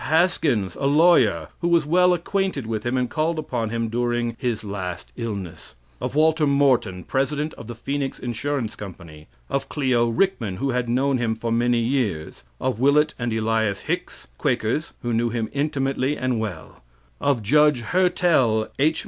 Haskins, a lawyer, who was well acquainted with him, and called upon him during h is last illness; of Walter Morton, President of the Phoenix Insurance Company; of Clio Rickman, who had known him for many years; of Willet and Elias Hicks, Quakers, who knew him intimately and well; of Judge Hertell, H.